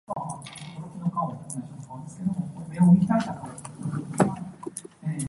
掃碼付款就可以喇